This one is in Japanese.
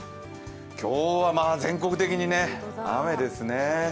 今日は全国的に雨ですね。